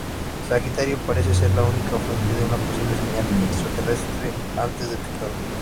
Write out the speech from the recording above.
Sagitario parece ser la única fuente de una posible señal extraterrestre antes detectada.